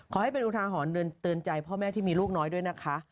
ขอให้เป็นอุทาหรณ์เตือนใจพ่อแม่ที่มีลูกน้อยด้วยนะคะ